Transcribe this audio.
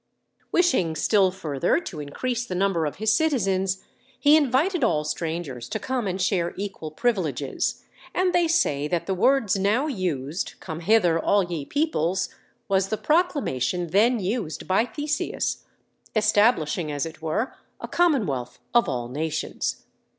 Wishing still further to increase the number of his citizens, he invited all strangers to come and share equal privileges, and they say that the words now used, "Come hither all ye peoples," was the proclamation then used by Theseus, establishing as it were a commonwealth of all nations.